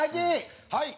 はい。